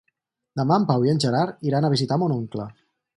Demà en Pau i en Gerard iran a visitar mon oncle.